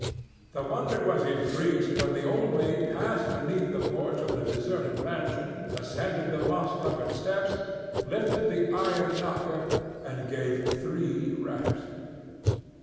The wonder was increased when the Old Maid passed beneath the porch of the deserted mansion, ascended the moss covered steps, lifted the iron knocker and gave three raps.